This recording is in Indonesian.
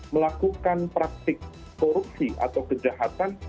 melakukan praktik korupsi atau kejahatan